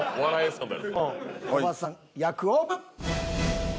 コバさん役オープン。